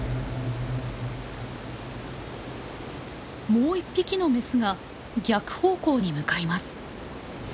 もう１匹のメスが逆方向に向かいます。